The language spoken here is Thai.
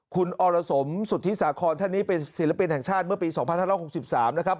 คุณอรสมสุทธิสาคอนท่านนี้เป็นศิลปินแห่งชาติเมื่อปี๒๕๖๓นะครับ